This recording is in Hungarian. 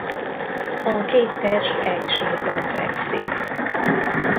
A két test egy sírban fekszik.